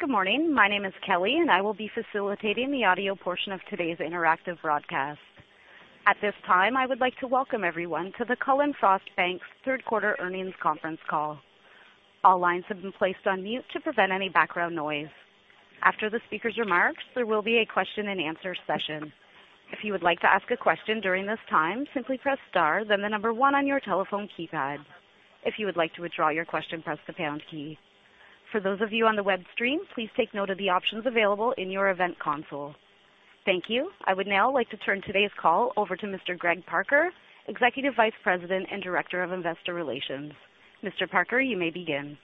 Good morning. My name is Kelly, and I will be facilitating the audio portion of today's interactive broadcast. At this time, I would like to welcome everyone to the Cullen/Frost Bankers third quarter earnings conference call. All lines have been placed on mute to prevent any background noise. After the speaker's remarks, there will be a question and answer session. If you would like to ask a question during this time, simply press star then the number one on your telephone keypad. If you would like to withdraw your question, press the pound key. For those of you on the web stream, please take note of the options available in your event console. Thank you. I would now like to turn today's call over to Mr. Greg Parker, Executive Vice President and Director of Investor Relations. Mr. Parker, you may begin.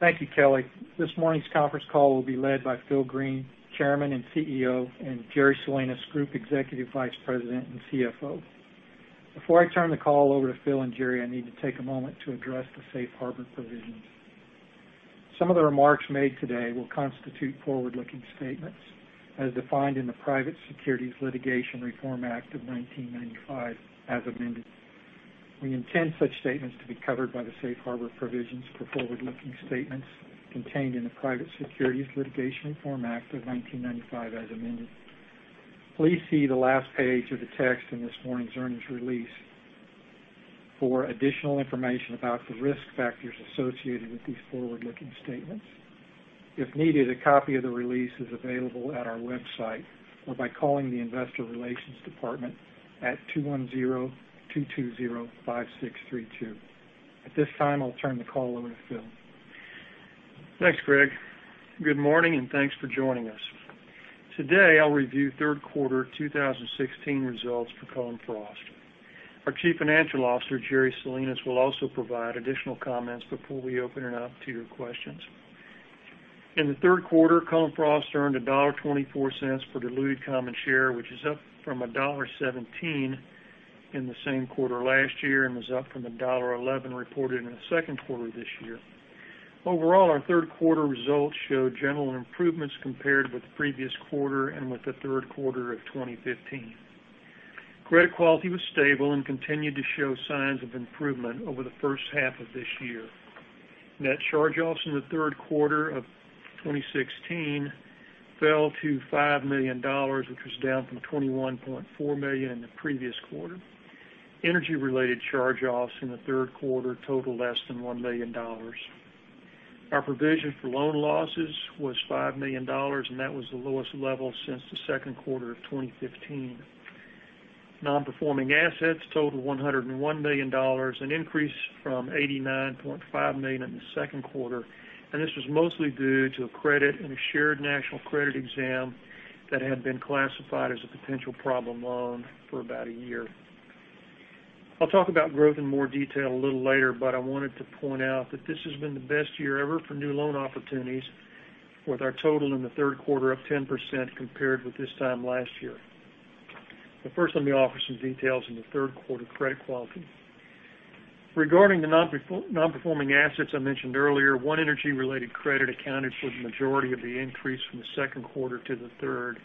Thank you, Kelly. This morning's conference call will be led by Phil Green, Chairman and CEO, and Jerry Salinas, Group Executive Vice President and CFO. Before I turn the call over to Phil and Jerry, I need to take a moment to address the safe harbor provisions. Some of the remarks made today will constitute forward-looking statements as defined in the Private Securities Litigation Reform Act of 1995, as amended. We intend such statements to be covered by the safe harbor provisions for forward-looking statements contained in the Private Securities Litigation Reform Act of 1995, as amended. Please see the last page of the text in this morning's earnings release for additional information about the risk factors associated with these forward-looking statements. If needed, a copy of the release is available at our website or by calling the investor relations department at 210-220-5632. At this time, I'll turn the call over to Phil. Thanks, Greg. Good morning and thanks for joining us. Today, I'll review third quarter 2016 results for Cullen/Frost. Our Chief Financial Officer, Jerry Salinas, will also provide additional comments before we open it up to your questions. In the third quarter, Cullen/Frost earned $1.24 per diluted common share, which is up from $1.17 in the same quarter last year and is up from $1.11 reported in the second quarter this year. Overall, our third quarter results show general improvements compared with the previous quarter and with the third quarter of 2015. Credit quality was stable and continued to show signs of improvement over the first half of this year. Net charge-offs in the third quarter of 2016 fell to $5 million, which was down from $21.4 million in the previous quarter. Energy related charge-offs in the third quarter totaled less than $1 million. Our provision for loan losses was $5 million, that was the lowest level since the second quarter of 2015. Non-performing assets totaled $101 million, an increase from $89.5 million in the second quarter, this was mostly due to a credit in a Shared National Credit examination that had been classified as a potential problem loan for about a year. I'll talk about growth in more detail a little later, I wanted to point out that this has been the best year ever for new loan opportunities with our total in the third quarter up 10% compared with this time last year. First, let me offer some details on the third quarter credit quality. Regarding the non-performing assets I mentioned earlier, one energy related credit accounted for the majority of the increase from the second quarter to the third.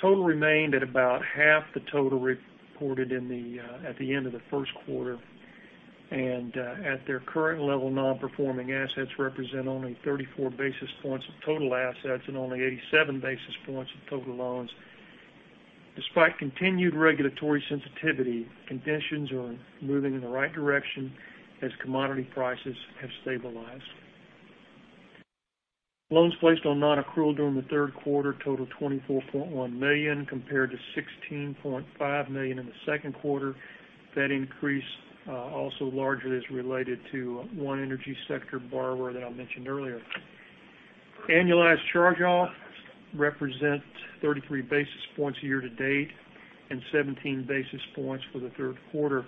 Total remained at about half the total reported at the end of the first quarter. At their current level, non-performing assets represent only 34 basis points of total assets and only 87 basis points of total loans. Despite continued regulatory sensitivity, conditions are moving in the right direction as commodity prices have stabilized. Loans placed on non-accrual during the third quarter totaled $24.1 million, compared to $16.5 million in the second quarter. That increase also largely is related to one energy sector borrower that I mentioned earlier. Annualized charge-offs represent 33 basis points year to date and 17 basis points for the third quarter.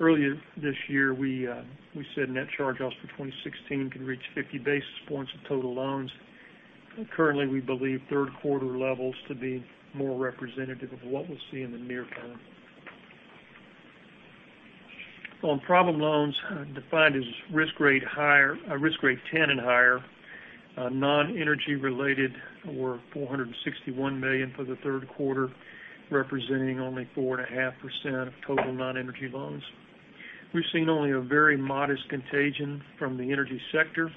Earlier this year, we said net charge-offs for 2016 can reach 50 basis points of total loans. Currently, we believe third quarter levels to be more representative of what we'll see in the near term. On problem loans, defined as risk grade 10 and higher, non-energy related were $461 million for the third quarter, representing only 4.5% of total non-energy loans. We've seen only a very modest contagion from the energy sector,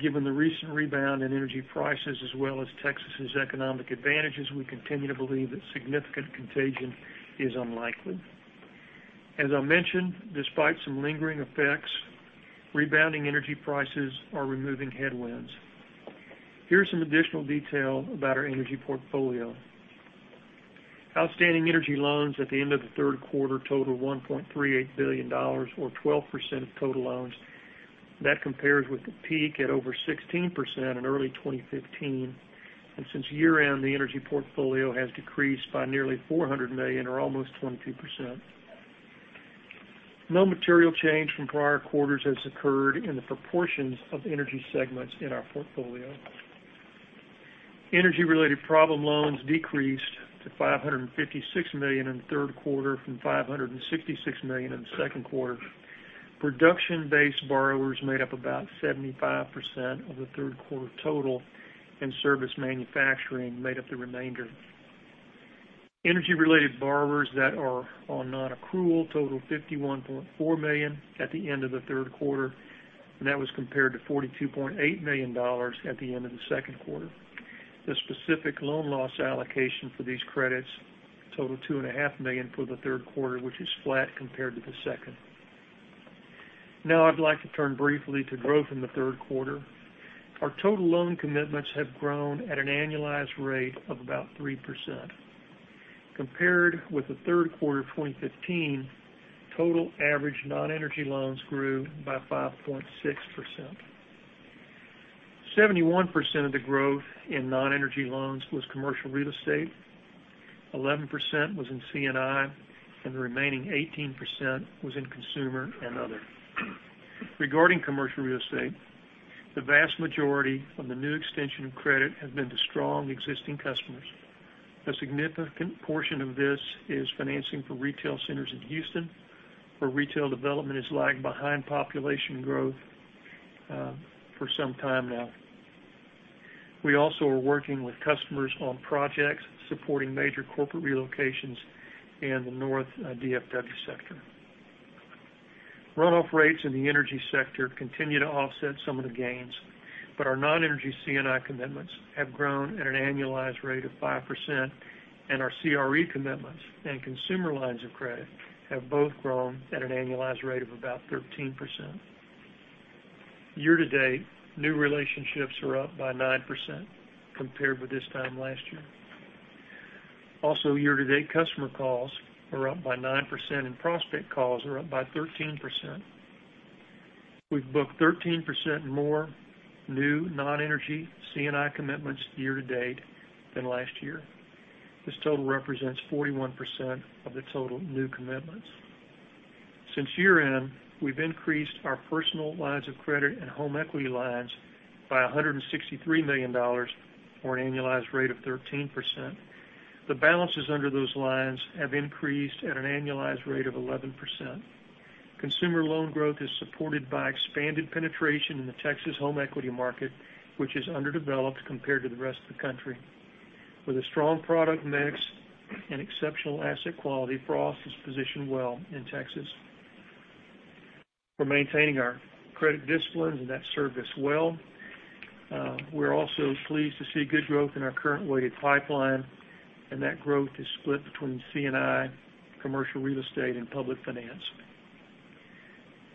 given the recent rebound in energy prices, as well as Texas' economic advantages, we continue to believe that significant contagion is unlikely. As I mentioned, despite some lingering effects, rebounding energy prices are removing headwinds. Here's some additional detail about our energy portfolio. Outstanding energy loans at the end of the third quarter totaled $1.38 billion, or 12% of total loans. That compares with a peak at over 16% in early 2015. Since year-end, the energy portfolio has decreased by nearly $400 million or almost 22%. No material change from prior quarters has occurred in the proportions of energy segments in our portfolio. Energy related problem loans decreased to $556 million in the third quarter from $566 million in the second quarter. Production-based borrowers made up about 75% of the third quarter total, service manufacturing made up the remainder. Energy-related borrowers that are on non-accrual total $51.4 million at the end of the third quarter, that was compared to $42.8 million at the end of the second quarter. The specific loan loss allocation for these credits total $2.5 million for the third quarter, which is flat compared to the second. Now, I'd like to turn briefly to growth in the third quarter. Our total loan commitments have grown at an annualized rate of about 3%. Compared with the third quarter of 2015, total average non-energy loans grew by 5.6%. 71% of the growth in non-energy loans was commercial real estate, 11% was in C&I, and the remaining 18% was in consumer and other. Regarding commercial real estate, the vast majority of the new extension of credit has been to strong existing customers. A significant portion of this is financing for retail centers in Houston, where retail development has lagged behind population growth, for some time now. We also are working with customers on projects supporting major corporate relocations in the North DFW sector. Runoff rates in the energy sector continue to offset some of the gains, but our non-energy C&I commitments have grown at an annualized rate of 5%, and our CRE commitments and consumer lines of credit have both grown at an annualized rate of about 13%. Year-to-date, new relationships are up by 9% compared with this time last year. Year-to-date, customer calls are up by 9%, and prospect calls are up by 13%. We've booked 13% more new non-energy C&I commitments year-to-date than last year. This total represents 41% of the total new commitments. Since year-end, we've increased our personal lines of credit and home equity lines by $163 million, or an annualized rate of 13%. The balances under those lines have increased at an annualized rate of 11%. Consumer loan growth is supported by expanded penetration in the Texas home equity market, which is underdeveloped compared to the rest of the country. With a strong product mix and exceptional asset quality, Frost is positioned well in Texas. We're maintaining our credit disciplines, and that served us well. We're also pleased to see good growth in our current weighted pipeline, and that growth is split between C&I, commercial real estate, and public finance.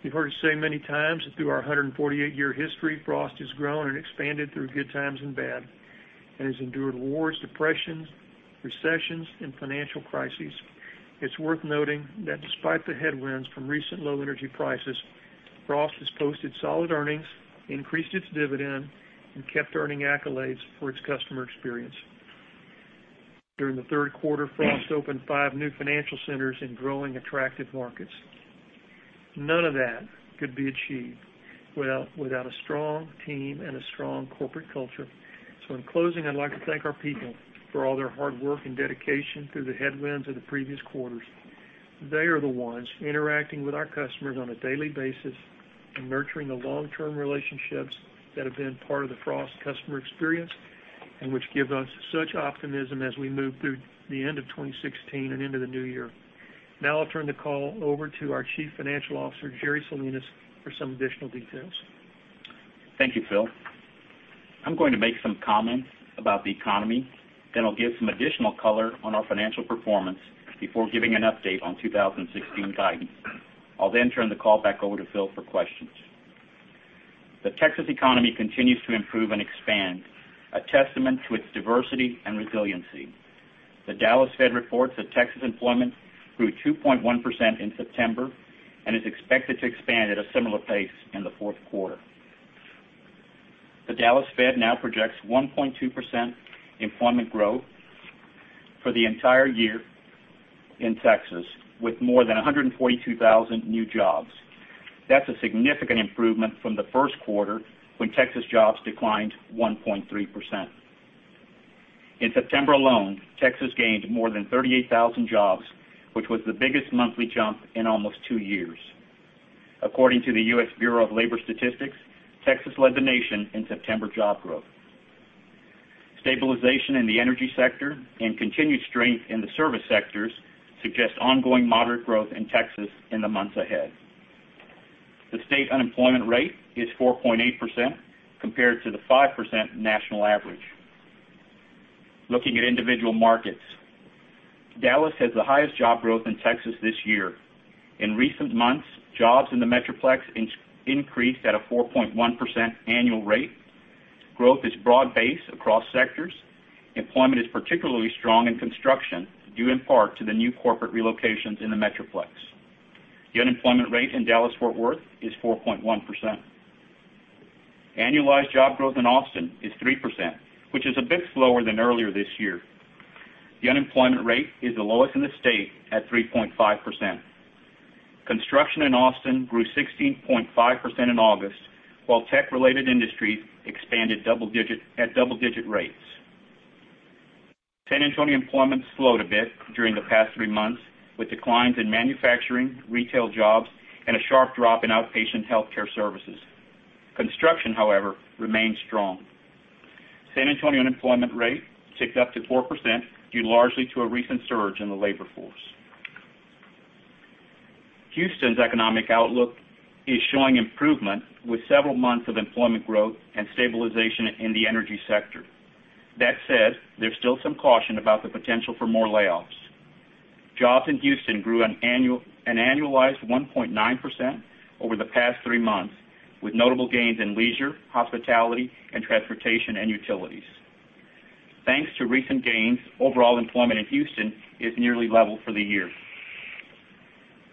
You've heard us say many times that through our 148-year history, Frost has grown and expanded through good times and bad, and has endured wars, depressions, recessions, and financial crises. It's worth noting that despite the headwinds from recent low energy prices, Frost has posted solid earnings, increased its dividend, and kept earning accolades for its customer experience. During the third quarter, Frost opened five new financial centers in growing attractive markets. None of that could be achieved without a strong team and a strong corporate culture. In closing, I'd like to thank our people for all their hard work and dedication through the headwinds of the previous quarters. They are the ones interacting with our customers on a daily basis and nurturing the long-term relationships that have been part of the Frost customer experience, and which give us such optimism as we move through the end of 2016 and into the new year. I'll turn the call over to our Chief Financial Officer, Jerry Salinas, for some additional details. Thank you, Phil. I'm going to make some comments about the economy, then I'll give some additional color on our financial performance before giving an update on 2016 guidance. I'll then turn the call back over to Phil for questions. The Texas economy continues to improve and expand, a testament to its diversity and resiliency. The Dallas Fed reports that Texas employment grew 2.1% in September and is expected to expand at a similar pace in the fourth quarter. The Dallas Fed now projects 1.2% employment growth for the entire year in Texas, with more than 142,000 new jobs. That's a significant improvement from the first quarter, when Texas jobs declined 1.3%. In September alone, Texas gained more than 38,000 jobs, which was the biggest monthly jump in almost two years. According to the U.S. Bureau of Labor Statistics, Texas led the nation in September job growth. Stabilization in the energy sector and continued strength in the service sectors suggest ongoing moderate growth in Texas in the months ahead. The state unemployment rate is 4.8%, compared to the 5% national average. Looking at individual markets, Dallas has the highest job growth in Texas this year. In recent months, jobs in the metroplex increased at a 4.1% annual rate. Growth is broad-based across sectors. Employment is particularly strong in construction, due in part to the new corporate relocations in the metroplex. The unemployment rate in Dallas-Fort Worth is 4.1%. Annualized job growth in Austin is 3%, which is a bit slower than earlier this year. The unemployment rate is the lowest in the state at 3.5%. Construction in Austin grew 16.5% in August, while tech-related industries expanded at double-digit rates. San Antonio employment slowed a bit during the past three months, with declines in manufacturing, retail jobs, and a sharp drop in outpatient healthcare services. Construction, however, remains strong. San Antonio unemployment rate ticked up to 4%, due largely to a recent surge in the labor force. Houston's economic outlook is showing improvement with several months of employment growth and stabilization in the energy sector. That said, there's still some caution about the potential for more layoffs. Jobs in Houston grew an annualized 1.9% over the past three months, with notable gains in leisure, hospitality, and transportation and utilities. Thanks to recent gains, overall employment in Houston is nearly level for the year.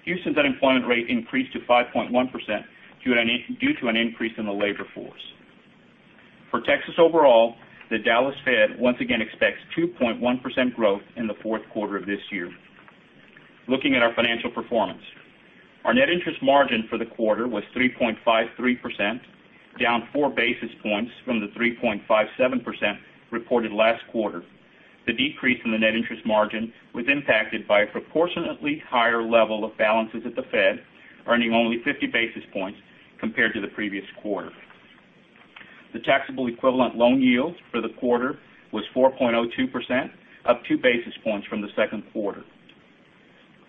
Houston's unemployment rate increased to 5.1%, due to an increase in the labor force. For Texas overall, the Dallas Fed once again expects 2.1% growth in the fourth quarter of this year. Looking at our financial performance, our net interest margin for the quarter was 3.53%, down four basis points from the 3.57% reported last quarter. The decrease in the net interest margin was impacted by a proportionately higher level of balances at the Fed, earning only 50 basis points compared to the previous quarter. The taxable equivalent loan yield for the quarter was 4.02%, up two basis points from the second quarter.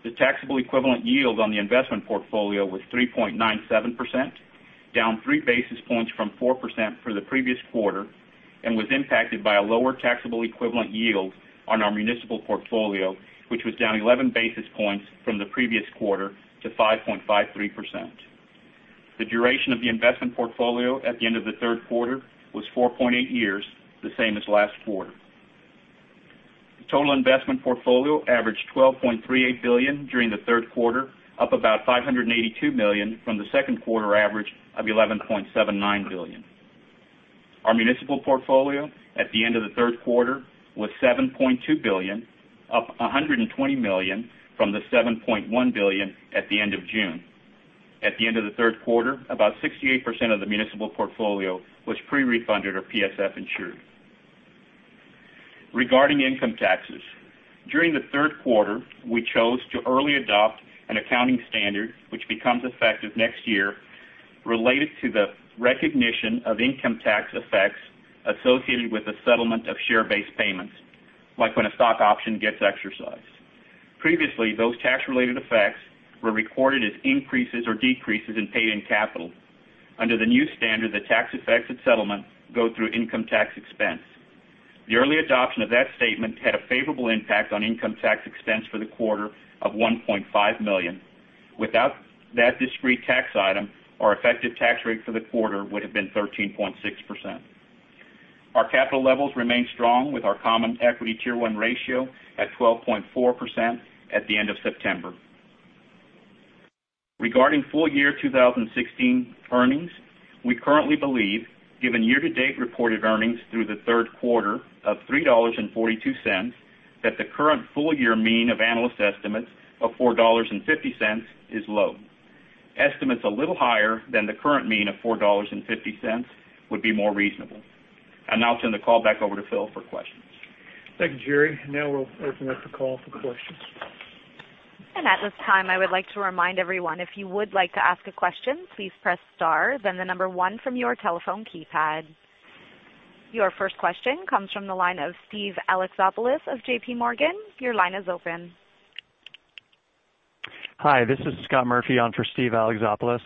The taxable equivalent yield on the investment portfolio was 3.97%, down three basis points from 4% for the previous quarter, and was impacted by a lower taxable equivalent yield on our municipal portfolio, which was down 11 basis points from the previous quarter to 5.53%. The duration of the investment portfolio at the end of the third quarter was 4.8 years, the same as last quarter. The total investment portfolio averaged $12.38 billion during the third quarter, up about $582 million from the second quarter average of $11.79 billion. Our municipal portfolio at the end of the third quarter was $7.2 billion, up $120 million from the $7.1 billion at the end of June. At the end of the third quarter, about 68% of the municipal portfolio was pre-refunded or PSF insured. Regarding income taxes, during the third quarter, we chose to early adopt an accounting standard, which becomes effective next year, related to the recognition of income tax effects associated with the settlement of share-based payments, like when a stock option gets exercised. Previously, those tax-related effects were recorded as increases or decreases in paid-in capital. Under the new standard, the tax effects of settlement go through income tax expense. The early adoption of that statement had a favorable impact on income tax expense for the quarter of $1.5 million. Without that discrete tax item, our effective tax rate for the quarter would've been 13.6%. Our capital levels remain strong with our common equity Tier 1 ratio at 12.4% at the end of September. Regarding full year 2016 earnings, we currently believe, given year-to-date reported earnings through the third quarter of $3.42, that the current full year mean of analyst estimates of $4.50 is low. Estimates a little higher than the current mean of $4.50 would be more reasonable. Now I'll turn the call back over to Phil for questions. Thank you, Jerry. Now we'll open up the call for questions. At this time, I would like to remind everyone, if you would like to ask a question, please press star, then the number one from your telephone keypad. Your first question comes from the line of Steve Alexopoulos of JPMorgan. Your line is open. Hi, this is Scott Murphy on for Steve Alexopoulos.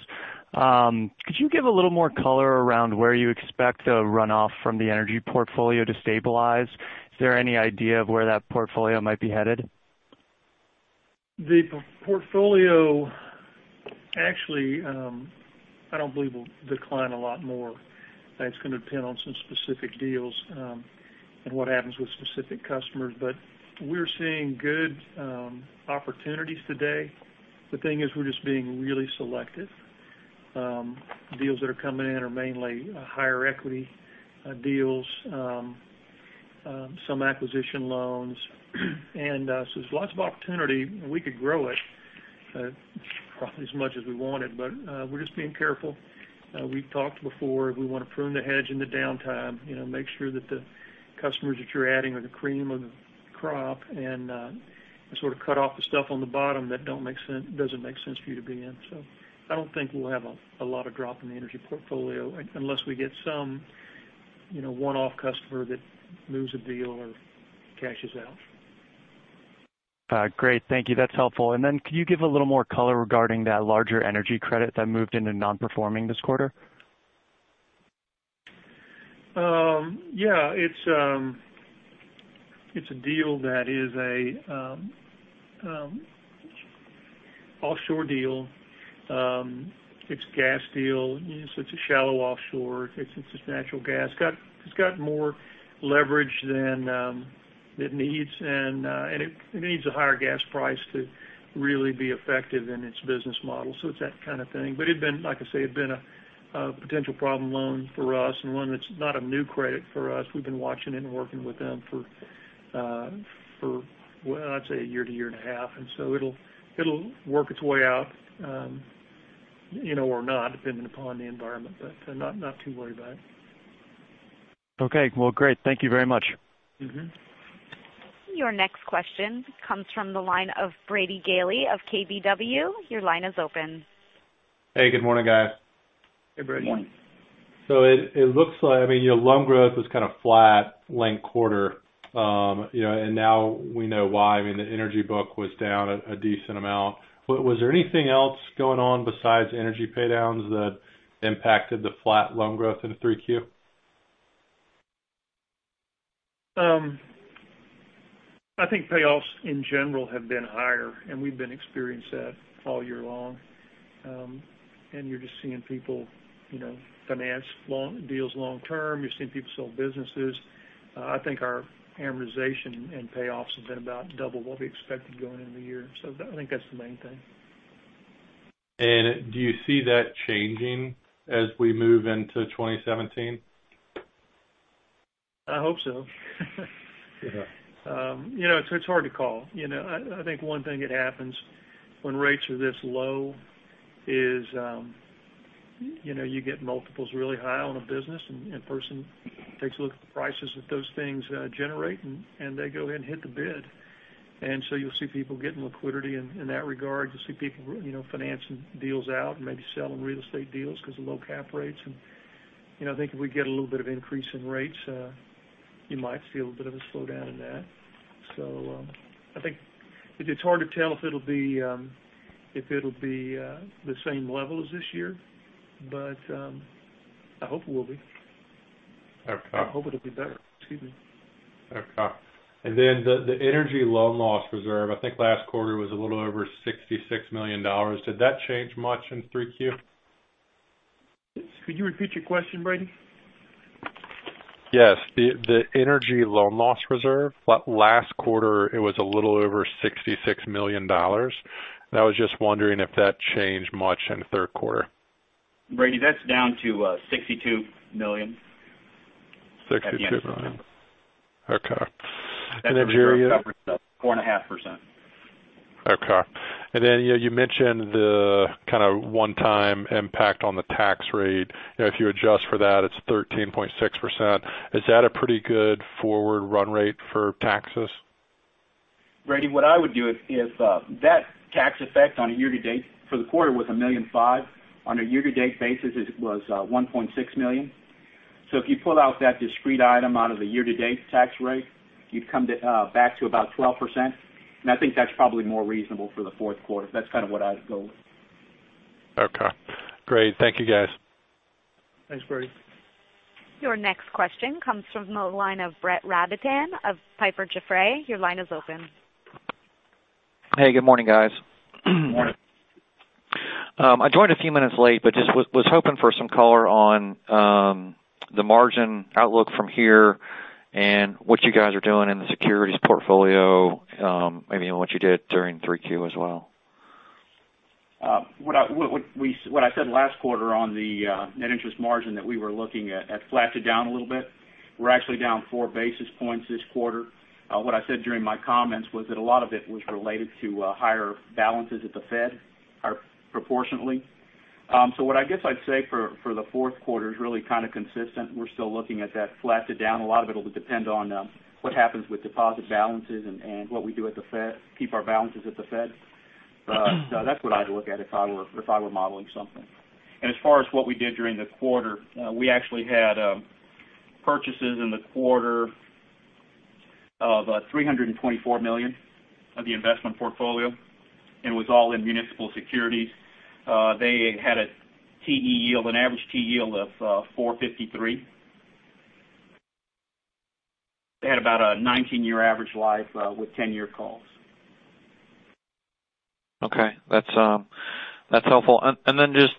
Could you give a little more color around where you expect the runoff from the energy portfolio to stabilize? Is there any idea of where that portfolio might be headed? The portfolio actually, I don't believe will decline a lot more. That's going to depend on some specific deals, and what happens with specific customers. We're seeing good opportunities today. The thing is, we're just being really selective. Deals that are coming in are mainly higher equity deals, some acquisition loans. There's lots of opportunity, and we could grow it probably as much as we wanted, but we're just being careful. We've talked before, we want to prune the hedge in the downtime, make sure that the customers that you're adding are the cream of the crop and sort of cut off the stuff on the bottom that doesn't make sense for you to be in. I don't think we'll have a lot of drop in the energy portfolio unless we get some one-off customer that loses a deal or cashes out. Great. Thank you. That's helpful. Could you give a little more color regarding that larger energy credit that moved into non-performing this quarter? Yeah. It's a deal that is a offshore deal. It's a gas deal. It's a shallow offshore. It's natural gas. It's got more leverage than it needs, and it needs a higher gas price to really be effective in its business model. It's that kind of thing. Like I say, it'd been a potential problem loan for us and one that's not a new credit for us. We've been watching and working with them for, well, I'd say a year to a year and a half. It'll work its way out, or not, depending upon the environment. I'm not too worried about it. Okay. Well, great. Thank you very much. Your next question comes from the line of Brady Gailey of KBW. Your line is open. Hey, good morning, guys. Hey, Brady. Morning. It looks like your loan growth was kind of flat linked quarter, and now we know why. The energy book was down a decent amount. Was there anything else going on besides energy pay downs that impacted the flat loan growth into 3Q? I think payoffs in general have been higher, and we've been experiencing that all year long. You're just seeing people finance deals long term. You're seeing people sell businesses. I think our amortization and payoffs have been about double what we expected going into the year. I think that's the main thing. Do you see that changing as we move into 2017? I hope so. It's hard to call. I think one thing that happens when rates are this low is you get multiples really high on a business, and a person takes a look at the prices that those things generate, and they go ahead and hit the bid. You'll see people getting liquidity in that regard. You'll see people financing deals out and maybe selling real estate deals because of low cap rates. I think if we get a little bit of increase in rates, you might see a bit of a slowdown in that. I think it's hard to tell if it'll be the same level as this year, but I hope it will be. Okay. I hope it'll be better. Excuse me. Okay. The energy loan loss reserve, I think last quarter was a little over $66 million. Did that change much in 3Q? Could you repeat your question, Brady? Yes. The energy loan loss reserve, last quarter, it was a little over $66 million. I was just wondering if that changed much in the third quarter. Brady, that's down to $62 million. $62 million. Okay. Then Jerry. That's a reserve coverage of 4.5%. Okay. Then you mentioned the kind of one-time impact on the tax rate. If you adjust for that, it's 13.6%. Is that a pretty good forward run rate for taxes? Brady, what I would do is, that tax effect for the quarter was $1.5 million. On a year-to-date basis, it was $1.6 million. If you pull out that discrete item out of the year-to-date tax rate, you'd come back to about 12%, and I think that's probably more reasonable for the fourth quarter. That's kind of what I'd go with. Okay, great. Thank you guys. Thanks, Brady. Your next question comes from the line of Brett Rabatin of Piper Jaffray. Your line is open. Hey, good morning, guys. Morning. I joined a few minutes late, just was hoping for some color on the margin outlook from here and what you guys are doing in the securities portfolio, maybe even what you did during Q3 as well. What I said last quarter on the net interest margin that we were looking at flat to down a little bit. We're actually down four basis points this quarter. What I said during my comments was that a lot of it was related to higher balances at the Fed proportionately. What I guess I'd say for the fourth quarter is really kind of consistent. We're still looking at that flat to down. A lot of it'll depend on what happens with deposit balances and what we do at the Fed, keep our balances at the Fed. That's what I'd look at if I were modeling something. As far as what we did during the quarter, we actually had purchases in the quarter of $324 million of the investment portfolio, and it was all in municipal securities. They had an average TE yield of 4.53. They had about a 19-year average life with 10-year calls. Okay. That's helpful. Just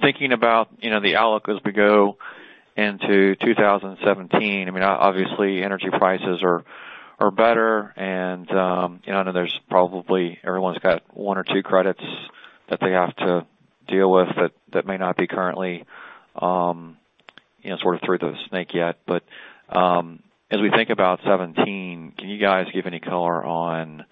thinking about the outlook as we go into 2017, obviously energy prices are better, and I know there's probably everyone's got one or two credits that they have to deal with that may not be currently sort of through the snake yet. As we think about 2017, can you guys give any color on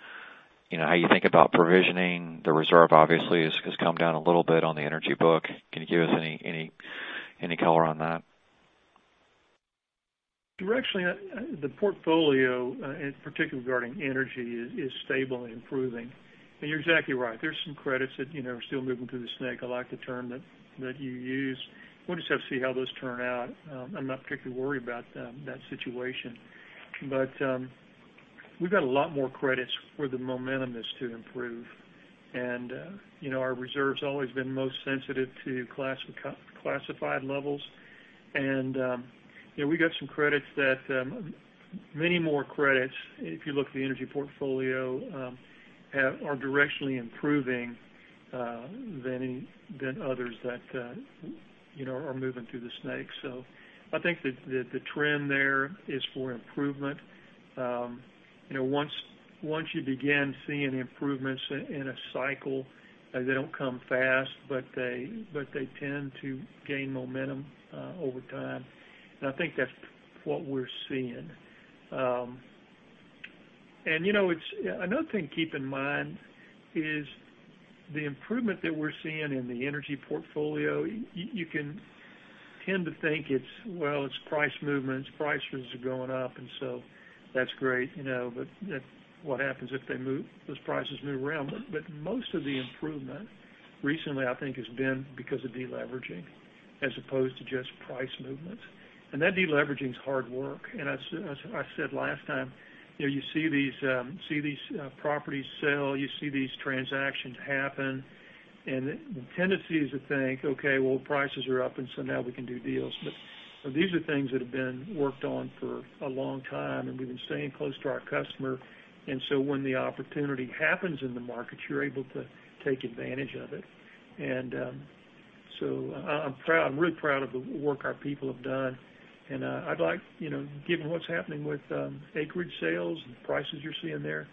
how you think about provisioning? The reserve obviously has come down a little bit on the energy book. Can you give us any color on that? Directionally, the portfolio, particularly regarding energy, is stable and improving. You're exactly right. There's some credits that are still moving through the snake. I like the term that you used. We'll just have to see how those turn out. I'm not particularly worried about that situation, but we've got a lot more credits where the momentum is to improve. Our reserve's always been most sensitive to classified levels. We got some credits that many more credits, if you look at the energy portfolio, are directionally improving than others that are moving through the snake. I think the trend there is for improvement. Once you begin seeing improvements in a cycle, they don't come fast, but they tend to gain momentum over time. I think that's what we're seeing. Another thing to keep in mind is the improvement that we're seeing in the energy portfolio, you can tend to think it's, well, it's price movements. Prices are going up, that's great. What happens if those prices move around? Most of the improvement recently, I think, has been because of de-leveraging as opposed to just price movements. That de-leveraging is hard work. As I said last time, you see these properties sell, you see these transactions happen, and the tendency is to think, "Okay, well, prices are up now we can do deals." These are things that have been worked on for a long time, and we've been staying close to our customer. When the opportunity happens in the market, you're able to take advantage of it. I'm really proud of the work our people have done. Given what's happening with acreage sales and prices you're seeing there,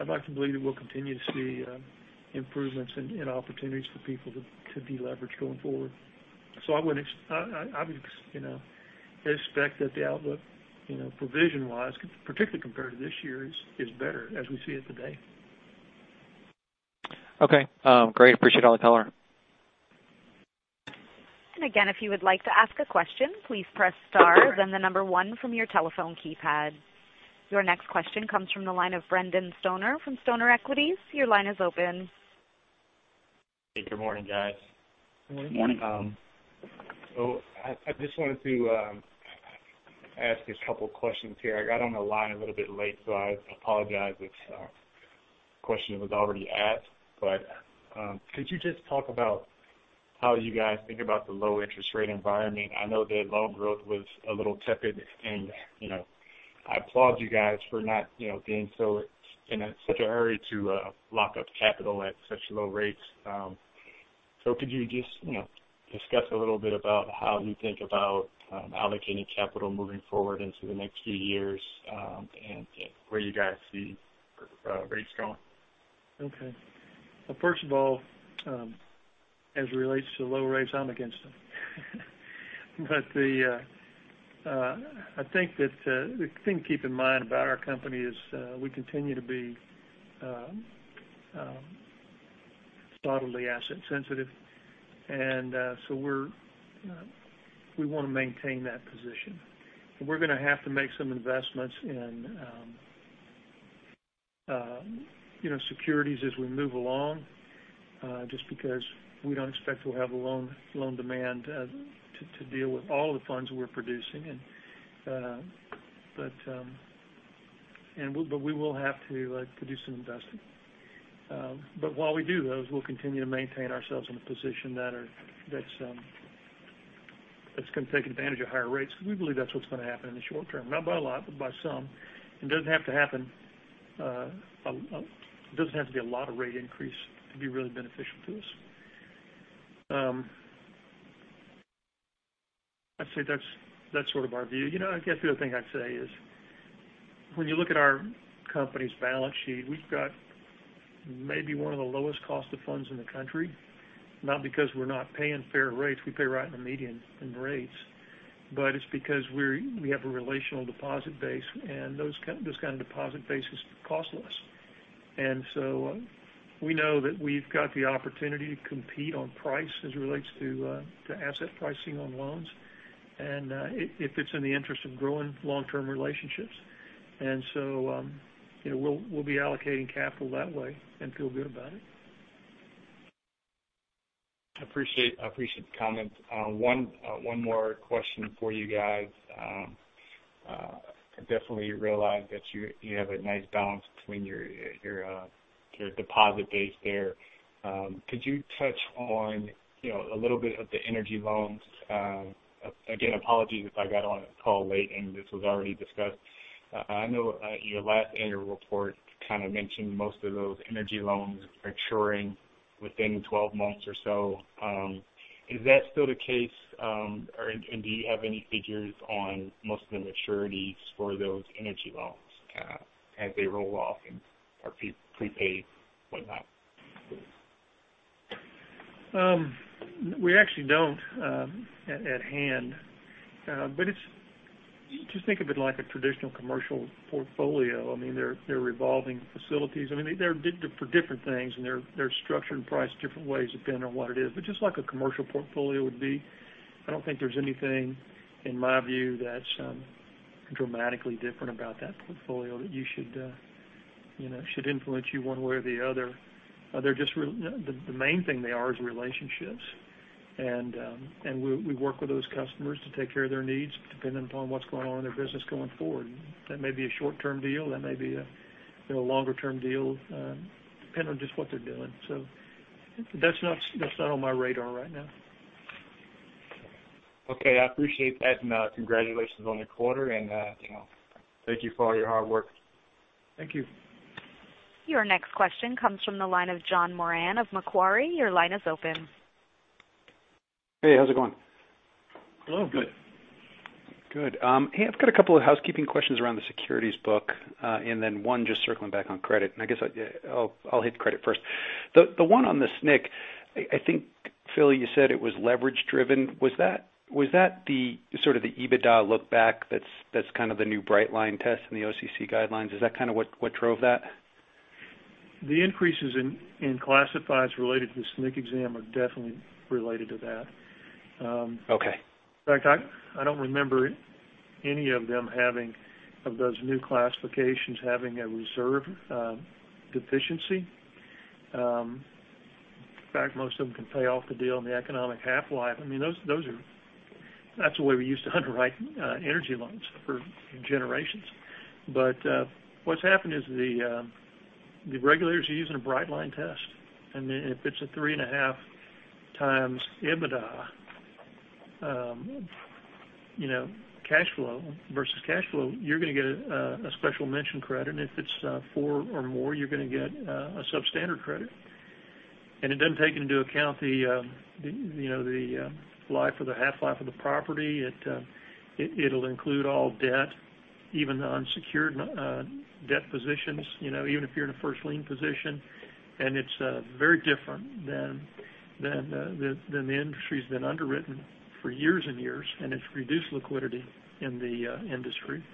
I'd like to believe that we'll continue to see improvements and opportunities for people to de-leverage going forward. I would expect that the outlook provision-wise, particularly compared to this year, is better as we see it today. Okay. Great. Appreciate all the color. Again, if you would like to ask a question, please press star then the number one from your telephone keypad. Your next question comes from the line of Brendan Stoner from Stoner Equities. Your line is open. Hey, good morning, guys. Good morning. Morning. I just wanted to ask a couple questions here. I got on the line a little bit late, I apologize if this question was already asked, could you just talk about how you guys think about the low interest rate environment? I know that loan growth was a little tepid, and I applaud you guys for not being in such a hurry to lock up capital at such low rates. Could you just discuss a little bit about how you think about allocating capital moving forward into the next few years, and where you guys see rates going? First of all, as it relates to low rates, I'm against them. I think that the thing to keep in mind about our company is we continue to be solidly asset sensitive, we want to maintain that position. We're going to have to make some investments in securities as we move along, just because we don't expect to have loan demand to deal with all the funds we're producing. We will have to do some investing. While we do those, we'll continue to maintain ourselves in a position that's going to take advantage of higher rates, because we believe that's what's going to happen in the short term, not by a lot, but by some. It doesn't have to be a lot of rate increase to be really beneficial to us. I'd say that's sort of our view. I guess the other thing I'd say is, when you look at our company's balance sheet, we've got maybe one of the lowest cost of funds in the country, not because we're not paying fair rates, we pay right in the median in rates, it's because we have a relational deposit base, and this kind of deposit base is costless. We know that we've got the opportunity to compete on price as it relates to asset pricing on loans, and if it's in the interest of growing long-term relationships. We'll be allocating capital that way and feel good about it. I appreciate the comment. One more question for you guys. I definitely realize that you have a nice balance between your deposit base there. Could you touch on a little bit of the energy loans? Again, apologies if I got on the call late and this was already discussed. I know your last annual report kind of mentioned most of those energy loans maturing within 12 months or so. Is that still the case? Do you have any figures on most of the maturities for those energy loans as they roll off and are prepaid, whatnot? Just think of it like a traditional commercial portfolio. They're revolving facilities. They're for different things, and they're structured and priced different ways depending on what it is. Just like a commercial portfolio would be, I don't think there's anything, in my view, that's dramatically different about that portfolio that should influence you one way or the other. The main thing they are is relationships. We work with those customers to take care of their needs, depending upon what's going on in their business going forward. That may be a short-term deal, that may be a longer term deal, depending on just what they're doing. That's not on my radar right now. Okay. I appreciate that. Congratulations on the quarter. Thank you for all your hard work. Thank you. Your next question comes from the line of John Moran of Macquarie. Your line is open. Hey, how's it going? Hello. Good. Good. Hey, I've got a couple of housekeeping questions around the securities book. Then one just circling back on credit. I guess I'll hit credit first. The one on the SNC, I think Phil, you said it was leverage driven. Was that the EBITDA look back that's the new bright line test in the OCC guidelines? Is that what drove that? The increases in classifieds related to the SNC exam are definitely related to that. Okay. In fact, I don't remember any of those new classifications having a reserve deficiency. In fact, most of them can pay off the deal in the economic half-life. That's the way we used to underwrite energy loans for generations. What's happened is the regulators are using a bright line test. If it's a 3.5x EBITDA versus cash flow, you're going to get a special mention credit. If it's 4 or more, you're going to get a substandard credit. It doesn't take into account the life or the half-life of the property. It'll include all debt, even the unsecured debt positions, even if you're in a first lien position. It's very different than the industry's been underwritten for years and years, and it's reduced liquidity in the industry.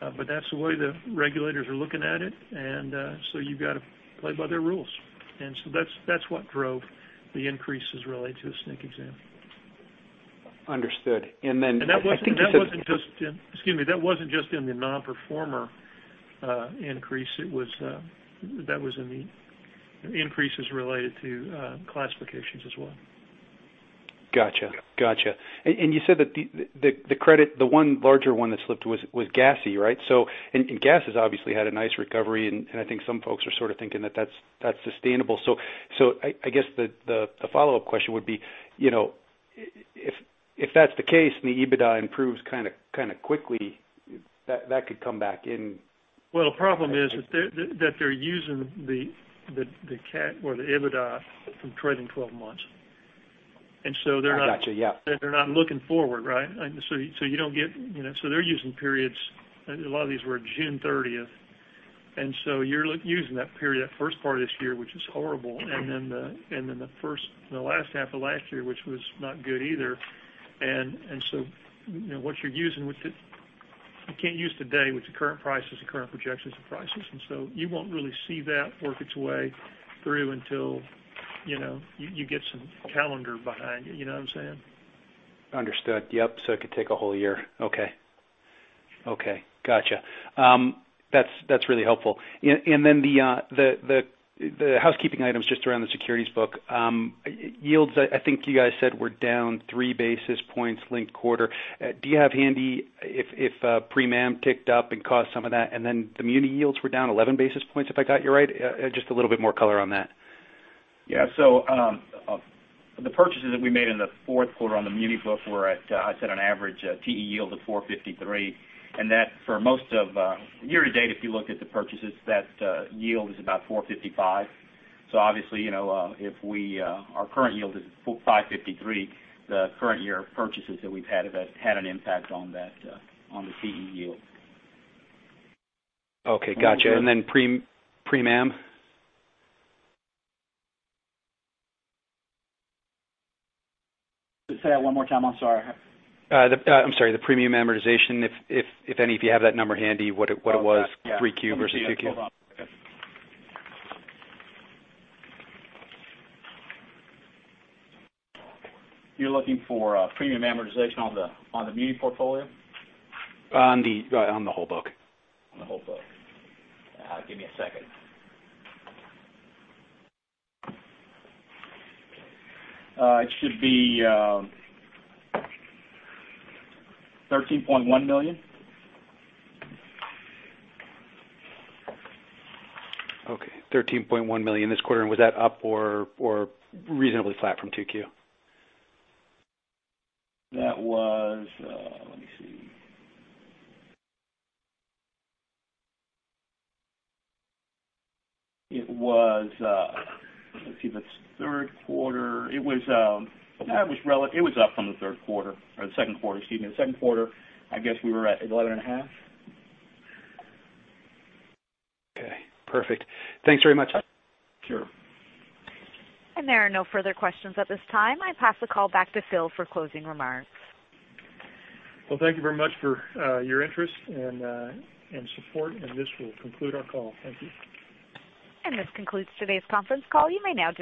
That's the way the regulators are looking at it, you've got to play by their rules. That's what drove the increases related to the SNC exam. Understood. I think you said- Excuse me. That wasn't just in the non-accrual increase. That was in the increases related to classifications as well. Got you. You said that the one larger one that slipped was gassy, right? Gas has obviously had a nice recovery, and I think some folks are thinking that that's sustainable. I guess the follow-up question would be, if that's the case and the EBITDA improves quickly, that could come back in. Well, the problem is that they're using the cap or the EBITDA from trailing 12 months. I got you. Yeah. They're not looking forward, right? They're using periods, a lot of these were June 30th, you're using that period, that first part of this year, which is horrible, and then the last half of last year, which was not good either. What you're using, you can't use today, which the current prices and current projections of prices. You won't really see that work its way through until you get some calendar behind you. You know what I'm saying? Understood. Yep. It could take a whole year. Okay. Got you. That's really helpful. The housekeeping items just around the securities book. Yields, I think you guys said were down 3 basis points linked quarter. Do you have handy if, Premium amortization ticked up and caused some of that? The muni yields were down 11 basis points, if I got you right. Just a little bit more color on that. Yeah. The purchases that we made in the fourth quarter on the muni book were at, I'd say an average TE yield of 4.53, and that for most of year to date, if you look at the purchases, that yield is about 4.55. Obviously, our current yield is 5.53. The current year purchases that we've had have had an impact on the TE yield. Okay, got you. Then Prem am? Say that one more time. I'm sorry. I'm sorry. The premium amortization, if any, if you have that number handy, what it was 3Q versus 2Q. You're looking for premium amortization on the muni portfolio? On the whole book. On the whole book. Give me a second. It should be $13.1 million. Okay. $13.1 million this quarter. Was that up or reasonably flat from 2Q? That was Let me see. It was up from the third quarter or the second quarter, excuse me. The second quarter, I guess we were at 11 and a half. Okay, perfect. Thanks very much. Sure. There are no further questions at this time. I pass the call back to Phil for closing remarks. Well, thank you very much for your interest and support. This will conclude our call. Thank you. This concludes today's conference call. You may now disconnect.